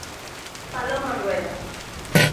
Paloma Rueda.